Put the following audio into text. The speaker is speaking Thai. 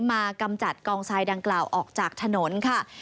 กำจัดกองทรายดังกล่าวออกจากถนนค่ะ